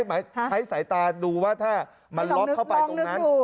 หมายใช้สายตาดูว่าถ้ามันล็อกเข้าไปตรงนั้น